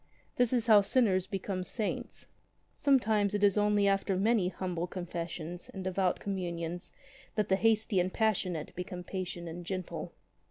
This is how sinners become saints. Sometimes it is only after many humble confessions and devout Communions that the hasty and the passionate become patient and gentle.